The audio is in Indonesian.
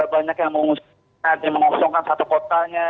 banyak yang mengosongkan satu kotanya